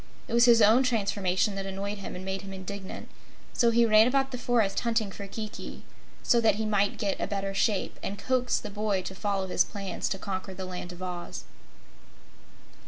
It was his own transformation that annoyed him and made him indignant, so he ran about the forest hunting for Kiki, so that he might get a better shape and coax the boy to follow his plans to conquer the Land of Oz.